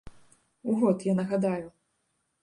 У год, я нагадаю.